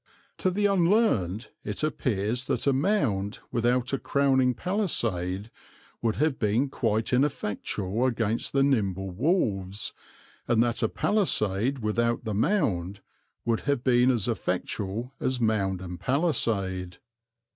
To the unlearned it appears that a mound without a crowning palisade would have been quite ineffectual against the nimble wolves, and that a palisade without the mound would have been quite as effectual as mound and palisade.